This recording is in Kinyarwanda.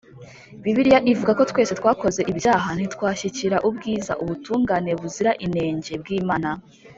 Bibiliya ivuga ko twese twakoze ibyaha ntitwashyikira ubwiza (ubutungane buzira inenge) bw'Imana.